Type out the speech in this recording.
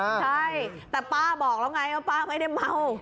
ใช่แต่ป้าบอกแล้วไงว่าป้าไม่ได้เมา